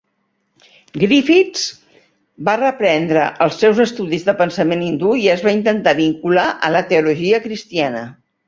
Griffiths va reprendre els seus estudis de pensament hindú i es va intentar vincular a la teologia cristiana.